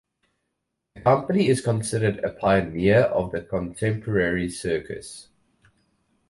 The company is considered a pioneer of the contemporary circus.